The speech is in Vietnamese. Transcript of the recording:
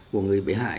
của người bị hại